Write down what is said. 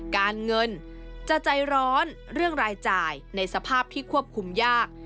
การเงินจะใจร้อนเรื่องรายจ่ายในสภาพที่ควบคุมยาก